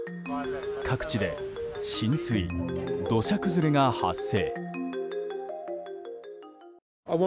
各地で浸水、土砂崩れが発生。